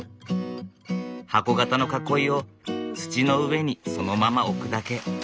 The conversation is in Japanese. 箱形の囲いを土の上にそのまま置くだけ。